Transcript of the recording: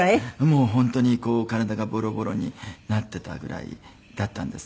もう本当に体がボロボロになっていたぐらいだったんですね。